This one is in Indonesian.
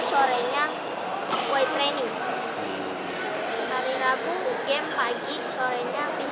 karena mendekati pertandingan jadi manajemen menyarankannya buat latihannya lebih ke feeling